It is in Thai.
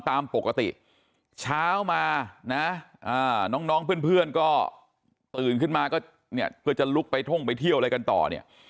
ตามปกติเช้ามานะน้องเพื่อนก็ตื่นขึ้นมาก็เนี่ยเพื่อจะลุกไปท่องไปเที่ยวอะไรกันต่อเนี่ย